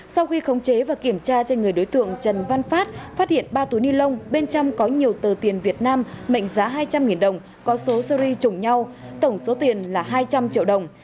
sau khi khống chế và kiểm tra trên người đối tượng trần văn phát phát hiện ba túi ni lông bên trong có nhiều tờ tiền việt nam mệnh giá hai trăm linh đồng có số series trùng nhau tổng số tiền là hai trăm linh triệu đồng